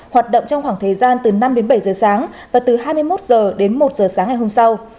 hoạt động trong khoảng thời gian từ năm đến bảy giờ sáng và từ hai mươi một h đến một h sáng ngày hôm sau